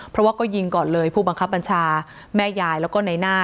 เพราะว่าก็ยิงก่อนเลยผู้บังคับบัญชาแม่ยายแล้วก็ในหน้า